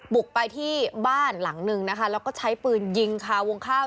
บุกไปที่บ้านหลังนึงนะคะแล้วก็ใช้ปืนยิงคาวงข้าว